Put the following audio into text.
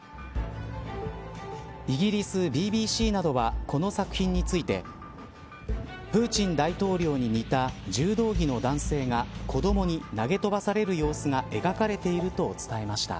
イギリスＢＢＣなどはこの作品についてプーチン大統領に似た柔道着の男性が子どもに投げ飛ばされる様子が描かれていると伝えました。